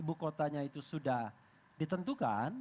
ibu kotanya itu sudah ditentukan